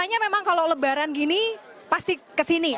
rasanya memang kalau lebaran gini pasti kesini ya